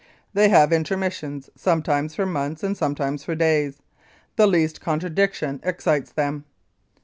They have intermissions sometimes for months and sometimes for days. The least contradiction excites them.